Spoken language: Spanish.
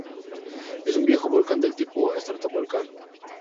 Es un viejo volcán del tipo estratovolcán.